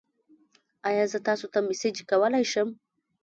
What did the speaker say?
ایا زه تاسو ته میسج کولی شم؟